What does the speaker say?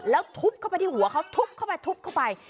แล้วทุบเข้าไปที่หัวเขาทุบเข้าไปทุบเข้าไป